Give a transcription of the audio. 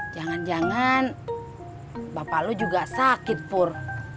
jangan jangan bapak lo juga sakit fur